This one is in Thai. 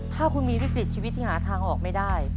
ถ้าคุณมีวิกฤตชีวิตที่หาทางออกไม่ได้